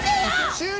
終了。